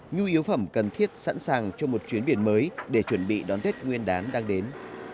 nhu yếu phẩm cần thiết sẵn sàng cho một chuyến biển mới để chuẩn bị đón tết nguyên đán đang đến